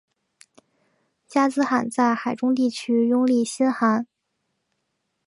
加兹罕在河中地区拥立新汗。